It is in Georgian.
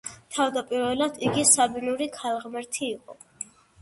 თავდაპირველად იგი საბინური ქალღმერთი იყო.